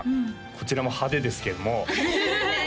こちらも派手ですけどもそうですね